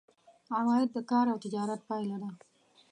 عواید د کار او تجارت پایله دي.